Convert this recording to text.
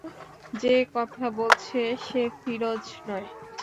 যে কথা বলছে, সে ফিরোজ নয়।